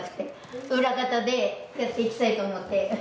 裏方でやっていきたいと思って。